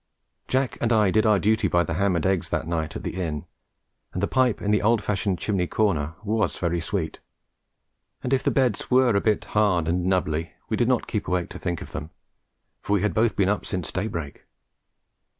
Jack and I did our duty by the ham and eggs that night at the inn, and the pipe in the old fashioned chimney corner was very sweet; and if the beds were a bit hard and knubbly, we did not keep awake to think of them, for we had both been up since day break.